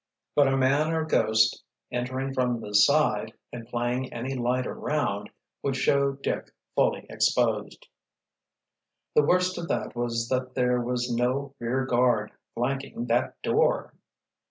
But a man or ghost entering from the side, and playing any light around, would show Dick fully exposed. The worst of that was that there was no rear guard flanking that door!